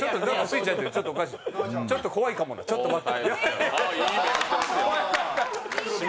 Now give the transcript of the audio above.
ちょっと怖いかもな、ちょっと待って。